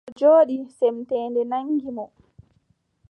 O jooɗi, semteende naŋgi mo.